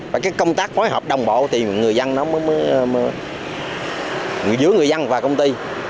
và cái công tác phối hợp đồng bộ thì người dân nó mới giữa người dân và công ty